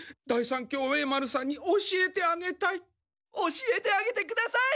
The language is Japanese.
教えてあげてください！